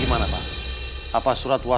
makasih aku tunggu ya